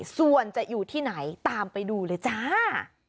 ส่วนจะอยู่ที่ไหนตามไปดูเลยจ้า